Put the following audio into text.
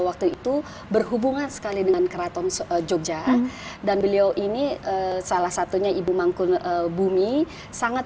waktu itu berhubungan sekali dengan keraton jogja dan beliau ini salah satunya ibu mangkun bumi sangat